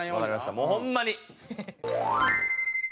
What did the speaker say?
もうホンマに。